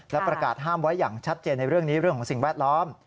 และประกาศห้ามไว้อย่างชัดเจนในเรื่องนี้เรื่องของสิ่งแวดล้อม